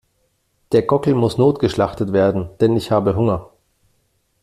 Der Gockel muss notgeschlachtet werden, denn ich habe Hunger.